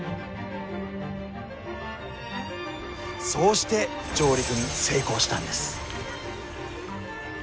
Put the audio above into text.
そうして上陸に成功したんです。